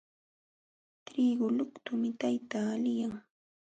Trigu lutuqmi tayta liyan.